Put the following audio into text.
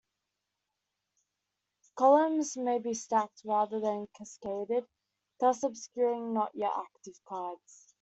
Columns may be stacked rather than cascaded, thus obscuring not-yet-active cards.